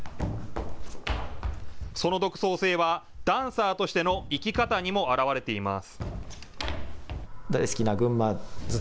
その独創性はダンサーとしての生き方にも現れています。